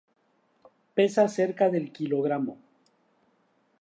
Pesa cerca del kilogramo.